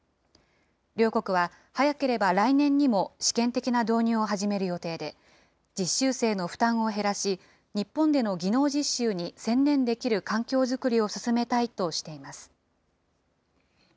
両国は、早ければ来年にも試験的な導入を始める予定で、実習生の負担を減らし、日本での技能実習に専念できる環境作りを進めたいとしています。